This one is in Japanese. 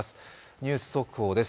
ニュース速報です。